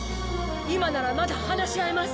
今ならまだ話し合えます。